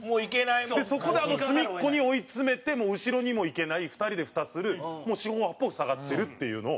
そこで、あの隅っこに追い詰めて後ろにも行けない２人でふたする、四方八方塞がってるっていうのを。